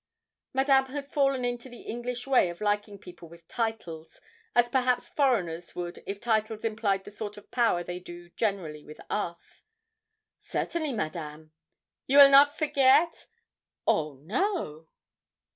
Madame had fallen into the English way of liking people with titles, as perhaps foreigners would if titles implied the sort of power they do generally with us. 'Certainly, Madame.' 'You will not forget?' 'Oh no.'